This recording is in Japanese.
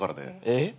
えっ？